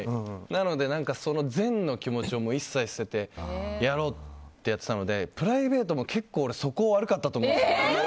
なので、善の気持ちを一切捨ててやろうってやってたのでプライベートも結構素行悪かったと思うんです。